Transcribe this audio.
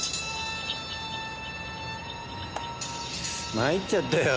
参っちゃったよ。